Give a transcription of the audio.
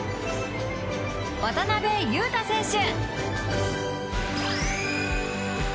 渡邊雄太選手！